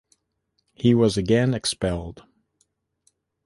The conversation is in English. He was again expelled.